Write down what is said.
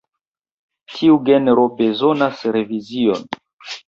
Tiu genro bezonas revizion.